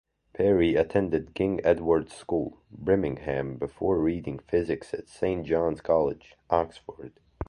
Perry attended King Edward's School, Birmingham before reading physics at Saint John's College, Oxford.